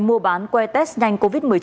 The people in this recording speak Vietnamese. mua bán que test nhanh covid một mươi chín